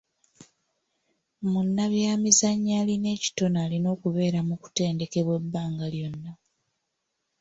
Munnabyamizannyo alina ekitone alina okubeera mu kutendekebwa ebbanga lyonna.